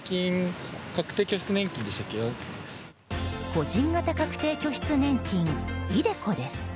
個人型確定拠出年金ｉＤｅＣｏです。